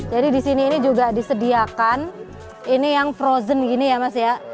jadi di sini ini juga disediakan ini yang frozen gini ya mas ya